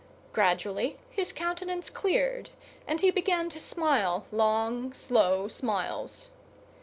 Gradually his countenance cleared, and he began to smile long, slow smiles.